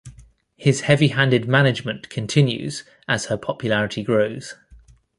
His heavy-handed management continues as her popularity grows.